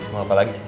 mau apa lagi sih